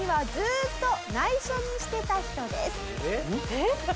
えっ？